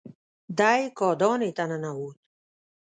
دی کاهدانې ته ننوت.